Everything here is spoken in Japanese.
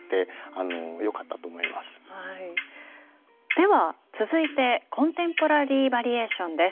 では続いてコンテンポラリー・バリエーションです。